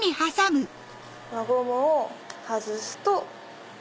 輪ゴムを外すと。